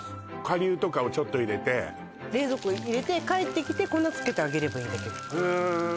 顆粒とかをちょっと入れて冷蔵庫入れて帰ってきて粉つけて揚げればいいだけへえ